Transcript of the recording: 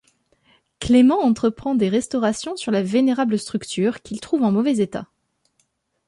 Clément entreprend des restaurations sur la vénérable structure, qu'il trouve en mauvais état.